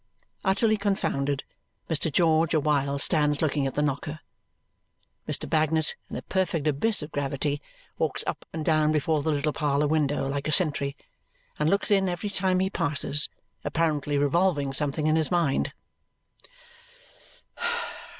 Utterly confounded, Mr. George awhile stands looking at the knocker. Mr. Bagnet, in a perfect abyss of gravity, walks up and down before the little parlour window like a sentry and looks in every time he passes, apparently revolving something in his mind.